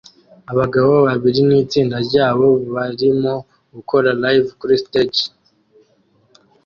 Abagabo babiri nitsinda ryabo barimo gukora Live kuri stage